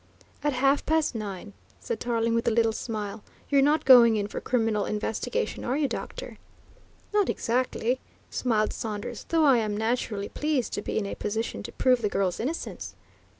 "At half past nine," said Tarling with a little smile. "You're not going in for criminal investigation, are you, doctor?" "Not exactly," smiled Saunders. "Though I am naturally pleased to be in a position to prove the girl's innocence."